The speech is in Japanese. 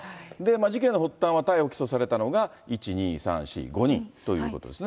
事件の発端は、逮捕・起訴されたのが、１、２、３、４、５人ということですね。